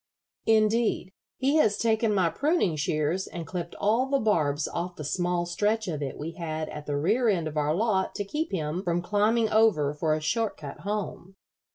Indeed, he has taken my pruning shears and clipped all the barbs off the small stretch of it we had at the rear end of our lot to keep him from climbing over for a short cut home."